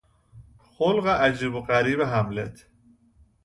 خلق عجیب و غریب هملت